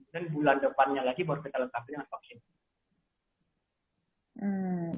kemudian bulan depannya lagi baru kita lengkapin dengan vaksin